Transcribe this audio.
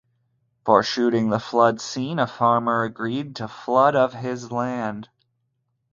For shooting the flood scene, a farmer agreed to flood of his land.